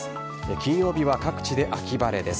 金曜日は各地で秋晴れです。